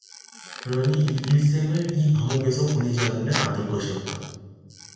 그러니 일생을 이 감옥에서 보내지 않으면 안될 것이었다.